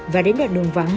và đến đoạn đường vắng